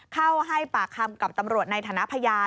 เข้าให้ปากคำกับตำรวจในฐานะพยาน